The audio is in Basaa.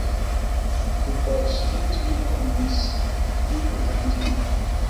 Dibos di ntina kon mis, di ñkwéha ndim.